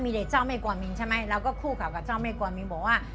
เด็กเจ้าแม่กวามินใช่ไหมเราก็คู่กับเจ้าแม่กวามินบอกว่า